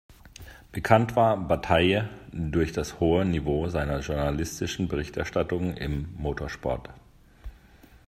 Bekannt war Bataille durch das hohe Niveau seiner journalistischen Berichterstattung im Motorsport.